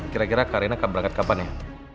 kira kira kak reina berangkat kapan ya